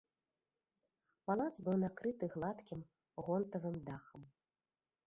Палац быў накрыты гладкім гонтавым дахам.